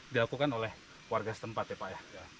dilakukan oleh warga setempat ya pak ya